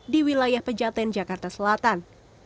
di wilayah pejaten jakarta selatan